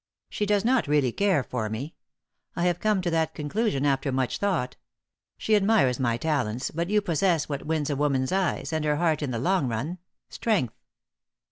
"She does not really care for me. I have come to that conclusion after much thought. She admires my talents, but you possess what wins a woman's eyes and her heart in the long run strength."